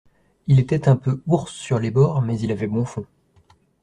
Il était un peu ours sur les bords, mais il avait bon fond.